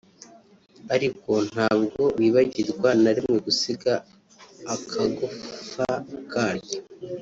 Ariko ntabwo bibagirwaga na rimwe gusiga akagufa karyo